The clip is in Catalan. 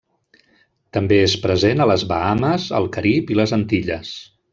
També és present a les Bahames, el Carib i les Antilles.